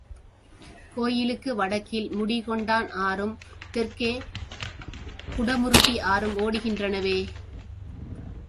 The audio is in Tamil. கோயிலுக்கு வடக்கில் முடி கொண்டான் ஆறும், தெற்கே குடமுருட்டி ஆறும் ஓடுகின்றனவே!